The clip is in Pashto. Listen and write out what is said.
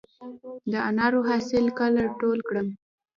د انارو حاصل کله ټول کړم؟